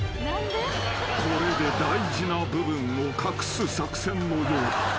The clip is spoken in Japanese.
［これで大事な部分を隠す作戦のようだ］